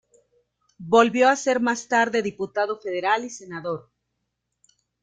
Volvió a ser más tarde diputado federal y senador.